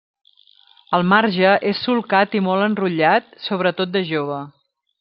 El marge és solcat i molt enrotllat, sobretot de jove.